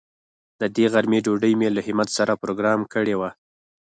د دې غرمې ډوډۍ مې له همت سره پروگرام کړې وه.